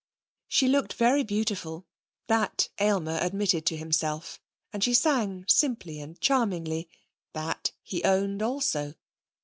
She looked very beautiful, that Aylmer admitted to himself, and she sang simply and charmingly; that he owned also.